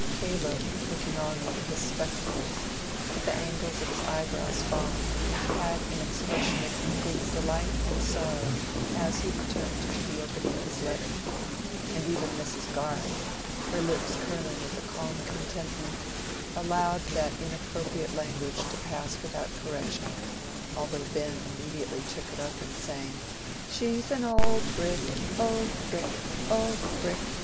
Caleb, looking on over his spectacles, with the angles of his eyebrows falling, had an expression of mingled delight and sorrow as he returned to the opening of his letter; and even Mrs. Garth, her lips curling with a calm contentment, allowed that inappropriate language to pass without correction, although Ben immediately took it up, and sang, "She's an old brick, old brick, old brick!"